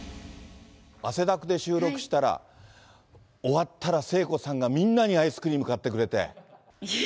汗だくで収録したら、終わったら聖子さんがみんなにアイスクリーム買ってくれて。